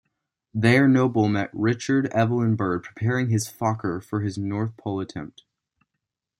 There Nobile met Richard Evelyn Byrd preparing his Fokker for his North Pole attempt.